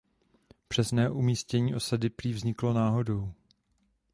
Přesné umístění osady prý vzniklo náhodou.